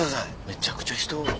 めちゃくちゃ人おる。